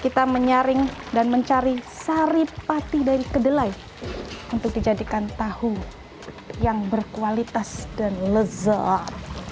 kita menyaring dan mencari sari pati dari kedelai untuk dijadikan tahu yang berkualitas dan lezat